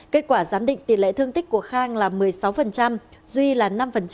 kết quả giám định tỷ lệ thương tích của khang là một mươi sáu duy là năm